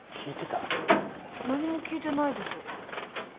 な何も聞いてないです